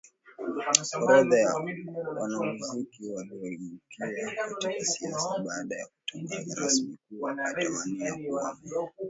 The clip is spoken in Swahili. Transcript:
orodha ya wanamuziki walioibukia katika siasa baada ya kutangaza rasmi kuwa atawania kuwa Meya